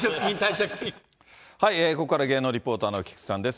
ここからは芸能リポーターの菊池さんです。